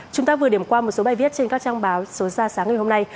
chúng ta vừa điểm qua một số bài viết trên các trang báo số ra sáng ngày hôm nay